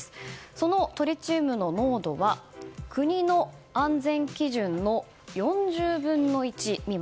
そのトリチウムの濃度は国の安全基準の４０分の１未満。